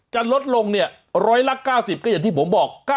จะลดลงเนี่ยร้อยละ๙๐ก็อย่างที่ผมบอก